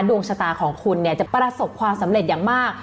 ดวงชะตาของคุณเนี่ยจะประสบความสำเร็จอย่างมาก